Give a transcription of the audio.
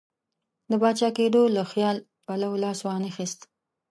د پاچا کېدلو له خیال پلو لاس وانه خیست.